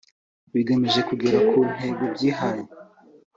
bigamije kugera ku ntego byihaye